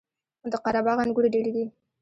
د قره باغ انګور ډیر دي